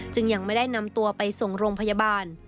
ยังไม่ได้นำตัวไปส่งโรงพยาบาล